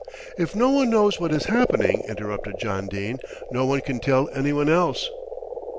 "If no one knows what is happening," interrupted John Dene, "no one can tell anyone else."